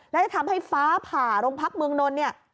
และจะทำให้ฟ้าผ่าโรงพักเมืองนนท์เนี่ย